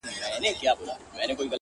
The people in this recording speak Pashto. زما د ژوند د كرسمې خبري!!